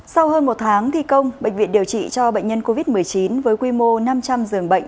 sau hơn một tháng thi công bệnh viện điều trị cho bệnh nhân covid một mươi chín với quy mô năm trăm linh giường bệnh